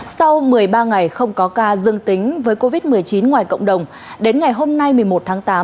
sau một mươi ba ngày không có ca dương tính với covid một mươi chín ngoài cộng đồng đến ngày hôm nay một mươi một tháng tám